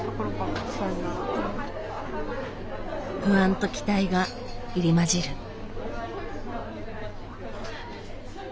不安と期待が入り交じる。